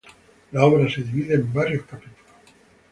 La obra se divide en varios capítulos